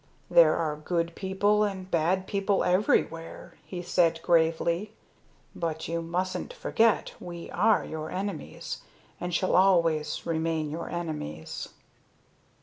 "There are good people and bad people everywhere," he said, gravely. "But you mustn't forget we are your enemies, and shall always remain your enemies."